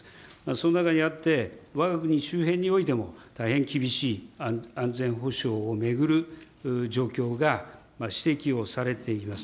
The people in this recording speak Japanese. その中にあって、わが国周辺においても、大変厳しい安全保障を巡る状況が指摘をされています。